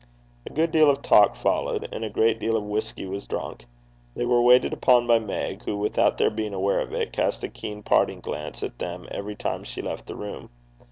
A good deal of talk followed, and a good deal of whisky was drunk. They were waited upon by Meg, who, without their being aware of it, cast a keen parting glance at them every time she left the room.